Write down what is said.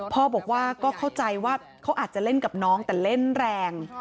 พ่อบอกว่าก็เข้าใจว่าเขาอาจจะเล่นกับน้องแต่เล่นแรง